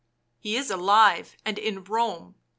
..."" He is alive, and in Borne.